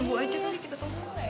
tunggu aja kali kita tau dulu